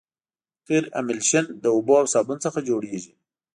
قیر املشن له اوبو او صابون څخه جوړیږي